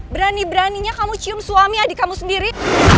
berani beraninya kamu cium suami adik kamu sendiri